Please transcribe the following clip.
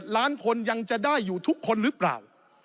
ล้านคนยังจะได้อยู่ทุกคนหรือเปล่า